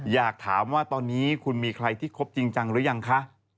อยากถามว่าตอนนี้คุณมีใครที่คบจริงจังหรือยังคะ